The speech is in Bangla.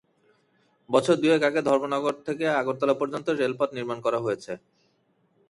বছর দুয়েক আগে ধর্মনগর থেকে আগরতলা পর্যন্ত রেলপথ নির্মাণ করা হয়েছে।